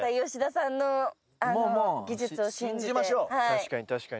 確かに確かに。